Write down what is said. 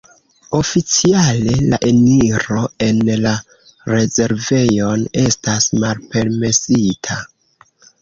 Oficiale la eniro en la rezervejon estas malpermesita.